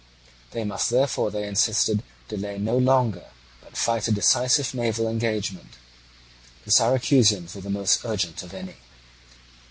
They must therefore, they insisted, delay no longer, but fight a decisive naval engagement. The Syracusans were the most urgent of any.